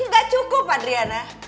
gak cukup adriana